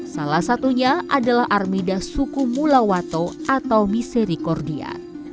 salah satunya adalah armida suku mulawato atau misericordia